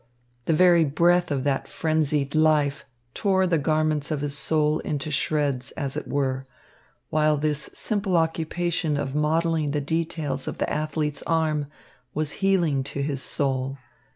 The very breath of that frenzied life tore the garments of his soul into shreds, as it were, while this simple occupation of modelling the details of the athlete's arm, was healing to his soul.